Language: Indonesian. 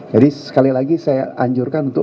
jadi sekali lagi saya anjurkan untuk